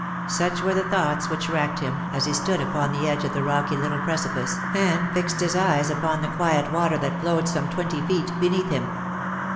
Such were the thoughts which racked him, as he stood upon the edge of the rocky little precipice, and fixed his eyes upon the quiet water that flowed some twenty feet beneath him.